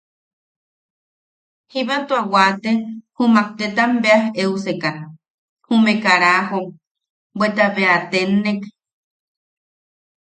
Jiba tua waate jumak tetam beas eusekan jume karajom, bweta bea tennek.